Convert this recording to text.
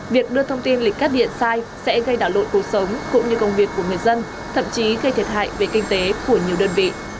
việc đưa thông tin lịch cắt điện sai sẽ gây đảo lội cuộc sống cũng như công việc của người dân thậm chí gây thiệt hại về kinh tế của nhiều đơn vị